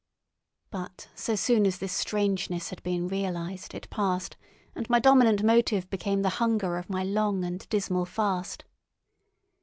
But so soon as this strangeness had been realised it passed, and my dominant motive became the hunger of my long and dismal fast.